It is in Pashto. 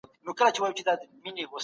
تمرين موږ ډېر قوي کوي.